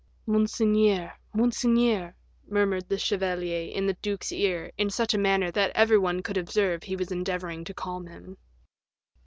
"Monseigneur, monseigneur," murmured the chevalier in the duke's ear, in such a manner that every one could observe he was endeavoring to calm him.